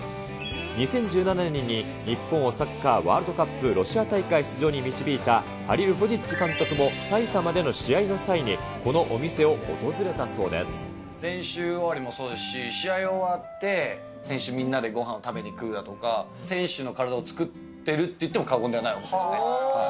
２０１７年に日本をサッカーワールドカップロシア大会出場に導いたハリルホジッチ監督もさいたまでの試合の際に、このお店を訪れ練習終わりもそうですし、試合終わって、選手みんなでごはんを食べにくるだとか、選手の体を作ってるといっても過言ではないお店ですね。